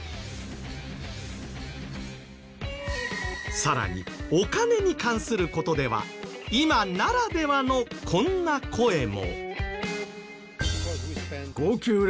さらにお金に関する事では今ならではのこんな声も。